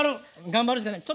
頑張るしかない。